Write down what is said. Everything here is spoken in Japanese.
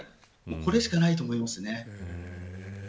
これしかないと思います。